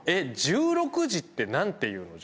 １６時って何ていうの？